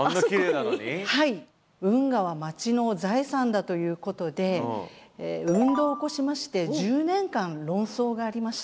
だということで運動を起こしまして１０年間論争がありました。